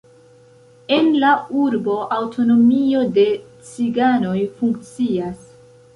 En la urbo aŭtonomio de ciganoj funkcias.